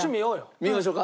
見ましょうか？